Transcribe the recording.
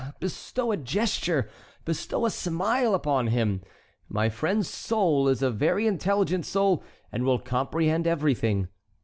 bestow a gesture, bestow a smile upon him. My friend's soul is a very intelligent soul, and will comprehend everything.